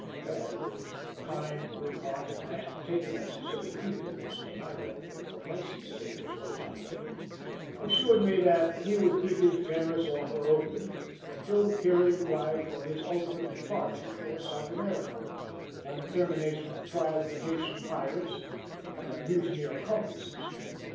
Well, the kind, good hearted man, taking, as he said, a deep interest in my welfare for Elsie's sake as well as for my own, assured me that he would keep his generous offer open until the period arrived for his ultimate departure for South America, on the termination of the trial of the Haytian pirates and their mutineer accomplices.